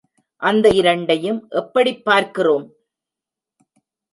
அந்த இரண்டையும் எப்படிப் பார்க்கிறோம்?